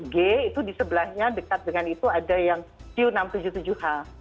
g itu di sebelahnya dekat dengan itu ada yang q enam ratus tujuh puluh tujuh h